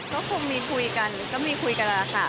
ก็คงมีคุยกันก็มีคุยกันแล้วค่ะ